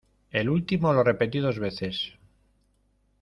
el último lo repetí dos veces: